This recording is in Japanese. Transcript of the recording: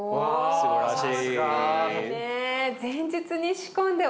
すばらしい。